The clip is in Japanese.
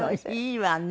いいわね。